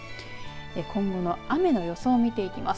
今後の雨の予想を見ていきます。